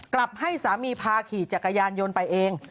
กลับให้สามีพาขี่จักรยานยนต์ไปเอง